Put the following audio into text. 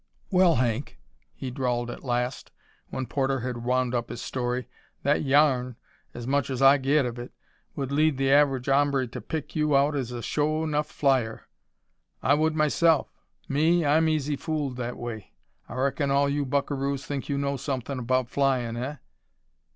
"Well, Hank," he drawled at last, when Porter had wound up his story, "that yarn, as much as I get of it, would lead the average hombre to pick you out as a sho' 'nuff flyer. I would myself. Me, I'm easy fooled that way. I reckon all you buckaroos think you know somethin' about flyin', eh?"